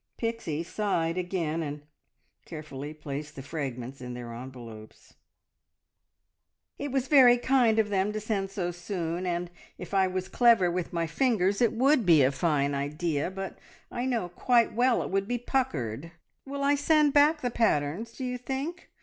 Pixie sighed again and carefully replaced the fragments in their envelopes. "It was very kind of them to send them so soon, and if I was clever with my fingers, it would be a fine idea, but I know quite well it would be puckered. Will I send back the patterns, do you think?